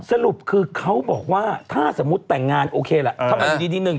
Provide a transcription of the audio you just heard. สรุปคือเขาบอกว่าถ้าสมมุติแต่งงานโอเคล่ะทำไมอยู่ดีหนึ่ง